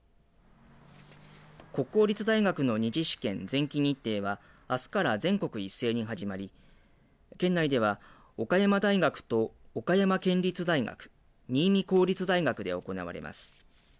国公立大学の２次試験前期日程はあすから全国一斉に始まり県内では岡山大学と岡山県立大学新見公立大学で行われます。